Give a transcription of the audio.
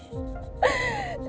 tunggu sebentar ya pak